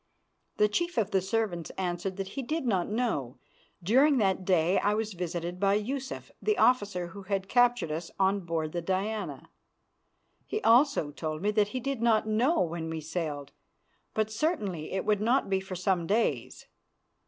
The chief of the servants answered that he did not know. During that day I was visited by Yusuf, the officer who had captured us on board the Diana. He also told me that he did not know when we sailed, but certainly it would not be for some days.